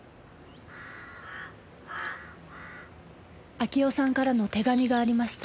明夫さんからの手紙がありました。